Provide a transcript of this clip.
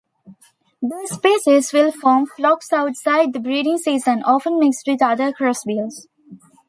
This species will form flocks outside the breeding season, often mixed with other crossbills.